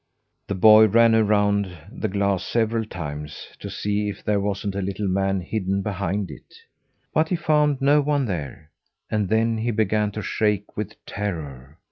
The boy ran around the glass several times, to see if there wasn't a little man hidden behind it, but he found no one there; and then he began to shake with terror.